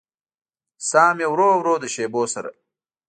ساه مې ورو ورو د شېبو سره